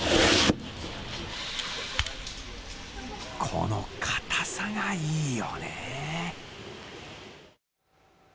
このかたさがいいよね。